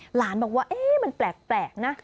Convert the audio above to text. หลานบอกว่ามันแปลกนะ